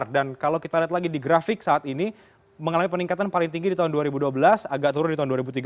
dan kalau kita lihat lagi di grafik saat ini mengalami peningkatan paling tinggi di tahun dua ribu dua belas agak turun di tahun dua ribu tiga belas